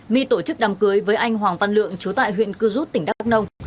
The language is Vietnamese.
my tổ chức đàm cưới với anh hoàng văn lượng chú tại huyện cư rút tỉnh đắk nông